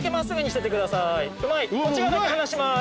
こっち側だけ離します。